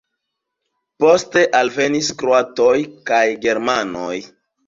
Poste alvenis kroatoj kaj germanoj.